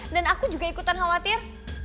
dan aku juga ikutan khawatir